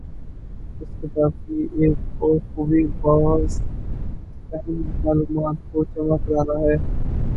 اس کتاب کی ایک اور خوبی بعض اہم معلومات کو جمع کرنا ہے۔